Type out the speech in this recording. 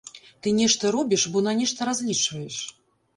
Ты нешта робіш, бо на нешта разлічваеш.